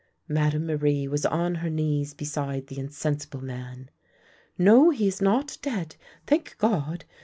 Madame Marie was on her knees beside the insen sible man. " No, he is not dead, thank God